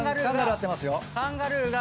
カンガルーが。